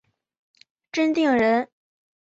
真定人。